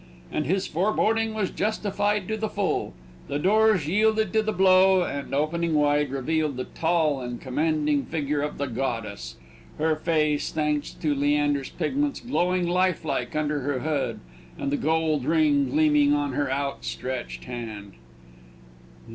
And his foreboding was justified to the full. The doors yielded to the blow, and, opening wide, revealed the tall and commanding figure of the goddess; her face, thanks to Leander's pigments, glowing lifelike under her hood, and the gold ring gleaming on her outstretched hand.